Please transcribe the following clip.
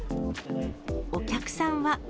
お客さんは。